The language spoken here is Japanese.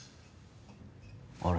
あれ？